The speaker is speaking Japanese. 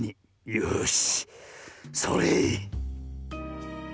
よしそれ！